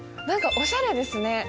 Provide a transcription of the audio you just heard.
何かおしゃれですね。